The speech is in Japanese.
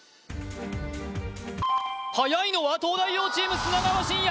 はやいのは東大王チーム砂川信哉